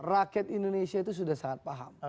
rakyat indonesia itu sudah sangat paham